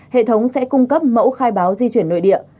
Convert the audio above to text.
hệ thống sẽ cung cấp mẫu khai báo di chuyển nội địa